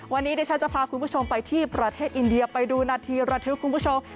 วันนี้ดิฉันจะพาคุณผู้ชมไปที่ประเทศอินเดียไปดูนาทีระทึกคุณผู้ชม